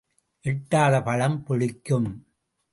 எட்டாத பழம் புளிக்கும்.